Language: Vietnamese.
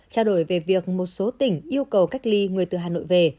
trao đổi về việc một số tỉnh yêu cầu cách ly người từ hà nội về